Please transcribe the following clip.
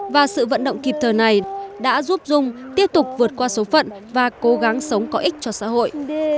và sự vận động kịp thời này đã giúp dung tiếp tục vượt qua số phận và cố gắng sống có ích cho xã hội